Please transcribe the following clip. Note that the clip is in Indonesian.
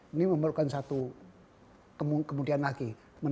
ini memerlukan satu kemudian lagi